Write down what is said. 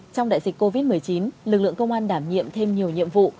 trong đại dịch covid một mươi chín lực lượng công an đảm nhiệm thêm nhiều nhiệm vụ